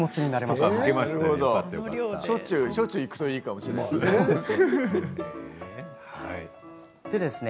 しょっちゅう行くといいかもしれませんね。